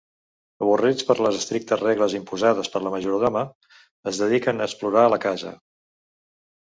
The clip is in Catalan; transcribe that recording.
Avorrits per les estrictes regles imposades per la majordoma, es dediquen a explorar la casa.